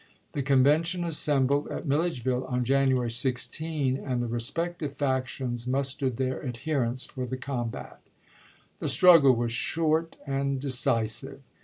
The con vention assembled at Milledgeville on January 16, and the respective factions mustered their adher ents for the combat. The struggle was short and decisive.